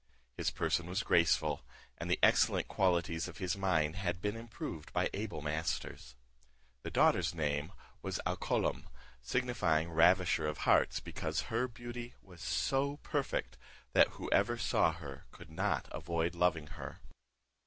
His person was graceful, and the excellent qualities of his mind had been improved by able masters. The daughter's name was Alcolom, signifying Ravisher of hearts, because her beauty was so perfect that whoever saw her could not avoid loving her.